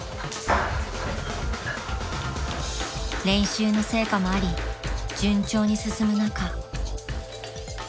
［練習の成果もあり順調に進む中］